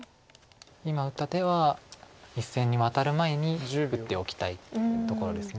今打った手は１線にワタる前に打っておきたいところです。